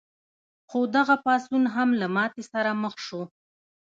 خو دغه پاڅون هم له ماتې سره مخ شو.